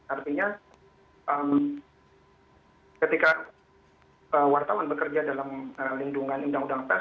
artinya ketika wartawan bekerja dalam lindungan undang undang pers